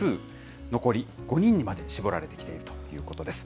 残り５人にまで絞られてきているということです。